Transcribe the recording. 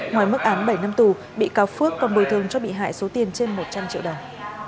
ngoài mức án bảy năm tù bị cáo phước còn bồi thương cho bị hại số tiền trên một trăm linh triệu đồng